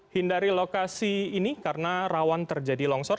hindari lokasi ini karena rawan terjadi longsor